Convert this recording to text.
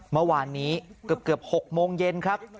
เมื่อวานนี้เกือบ๖โมงเย็นครับ